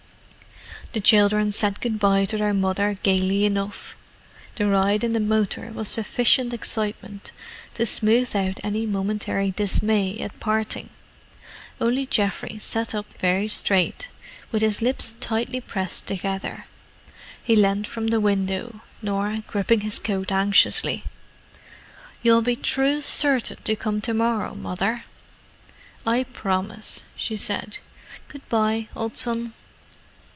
The children said good bye to their mother gaily enough: the ride in the motor was sufficient excitement to smooth out any momentary dismay at parting. Only Geoffrey sat up very straight, with his lips tightly pressed together. He leaned from the window—Norah gripping his coat anxiously. "You'll be true certain to come to morrow, Mother?" "I promise," she said. "Good bye, old son."